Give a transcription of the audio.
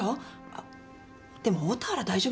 あっでも大田原は大丈夫なの？